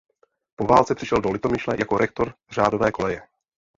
Po válce přišel do Litomyšle jako rektor řádové koleje.